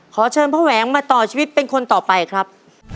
ขอเชิญพ่อแหวงมาต่อชีวิตเป็นคนต่อไปครับ